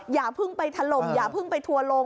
อย่าเพิ่งไปถล่มอย่าเพิ่งไปทัวร์ลง